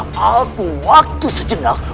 berikanlah aku waktu sejenak